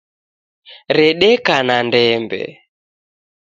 Redeka ni ndembe